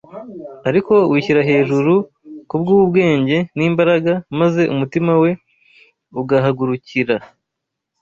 ariko wishyira hejuru kubw’ubwenge n’imbaraga, maze umutima we ugahagurukira